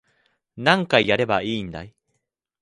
何回やればいいんだい